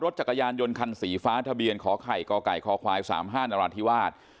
ทะเบียนขอไข่กอไก่ขอควาย๓ห้านนรทิวาส